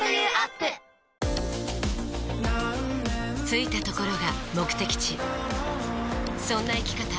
着いたところが目的地そんな生き方